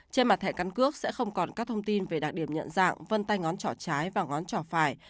trên mặt thẻ căn cước sẽ không còn các thông tin về đặc điểm nhận dạng vân tay ngón trò trái và ngón trò phải